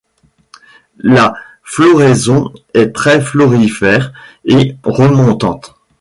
La floraison est très florifère et remontante.